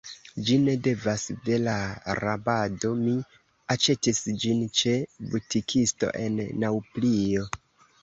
Ĝi ne devenas de la rabado; mi aĉetis ĝin ĉe butikisto, en Naŭplio.